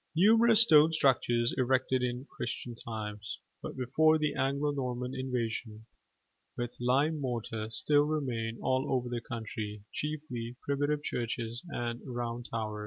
Numerous stone structures erected in Christian times, but before the Anglo Norman invasion, with lime mortar, still remain all over the country, chiefly primitive churches and round towers.